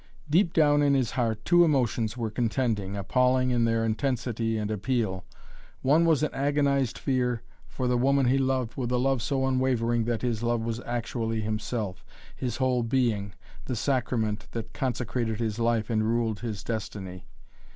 Deep down in his heart two emotions were contending, appalling in their intensity and appeal. One was an agonized fear for the woman he loved with a love so unwavering that his love was actually himself, his whole being, the sacrament that consecrated his life and ruled his destiny.